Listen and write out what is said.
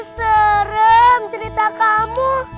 seram cerita kamu